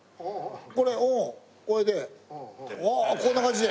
これおおこれでこんな感じで。